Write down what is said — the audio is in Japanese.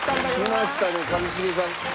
きましたね一茂さん。